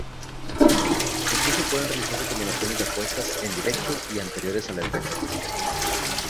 Incluso, pueden realizarse combinaciones de apuestas en directo y anteriores al evento.